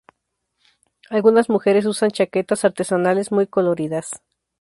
Algunas mujeres usan chaquetas artesanales muy coloridas.